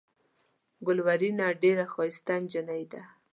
ګلورينه ډېره ښائسته جينۍ ده۔